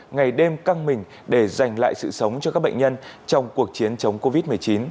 ngày đêm căng mình để giành lại sự sống cho các bệnh nhân trong cuộc chiến chống covid một mươi chín